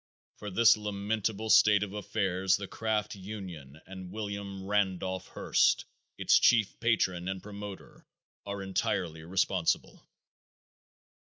For this lamentable state of affairs the craft union and William Randolph Hearst, its chief patron and promoter, are entirely responsible.